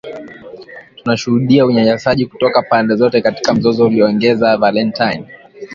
Tunashuhudia unyanyasaji kutoka pande zote katika mzozo aliongeza Valentine